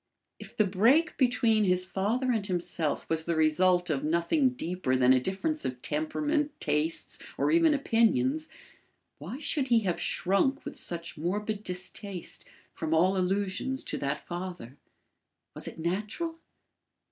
If the break between his father and himself was the result of nothing deeper than a difference of temperament, tastes or even opinions, why should he have shrunk with such morbid distaste from all allusions to that father? Was it natural?